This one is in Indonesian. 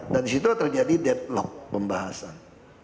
dan disitu terjadi deadlock pembahasan